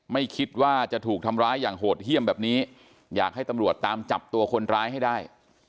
ไม่คิดว่าจะถูกทำร้ายอย่างโหดเยี่ยมแบบนี้อยากให้ตำรวจตามจับตัวคนร้ายให้ได้